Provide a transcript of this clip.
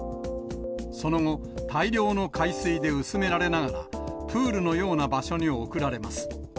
その後、大量の海水で薄められながら、プールのような場所に送られます。